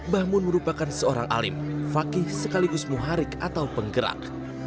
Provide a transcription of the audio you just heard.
bahmun merupakan seorang alim fakih sekaligus muharik atau penggerak